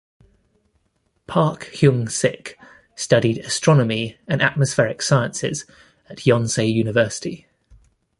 Park Heung-sik studied Astronomy and Atmospheric Sciences at Yonsei University.